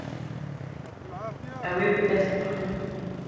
Ew ê bi dest bixin.